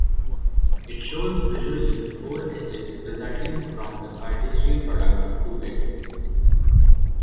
It shows visually the four edges resulting from the Cartesian product of two edges.